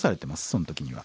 そん時には。